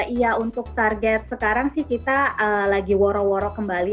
iya untuk target sekarang sih kita lagi woro woro kembali